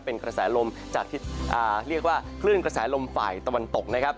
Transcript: เป็นกระแสลมจากที่เรียกว่าคลื่นกระแสลมฝ่ายตะวันตกนะครับ